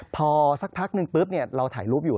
พอสักพักนึงปุ๊บเราถ่ายรูปอยู่